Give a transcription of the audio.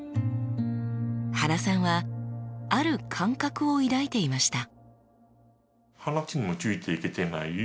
原さんはある感覚を抱いていました。